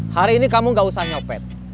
hari ini kamu gak usah nyopet